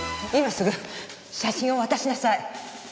今すぐ写真を渡しなさい。